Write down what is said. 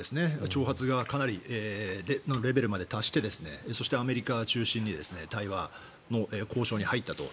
挑発のレベルにまで達してそしてアメリカを中心に対話の交渉に入ったと。